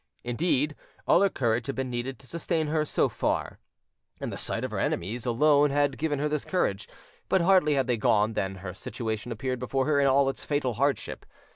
Indeed, all her courage had been needed to sustain her so far, and the sight of her enemies alone had given her this courage; but hardly had they gone than her situation appeared before her in all its fatal hardship.